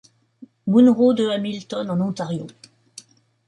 Munro de Hamilton, en Ontario.